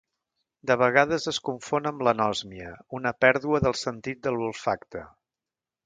De vegades es confon amb l'Anòsmia: una pèrdua del sentit de l'olfacte.